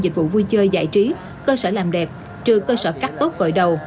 dịch vụ vui chơi giải trí cơ sở làm đẹp trừ cơ sở cắt tốt gợi đầu